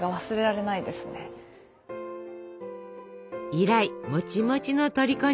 以来もちもちのとりこに。